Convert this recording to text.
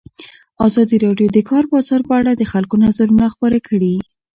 ازادي راډیو د د کار بازار په اړه د خلکو نظرونه خپاره کړي.